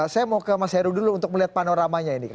saya mau ke mas heru dulu untuk melihat panoramanya ini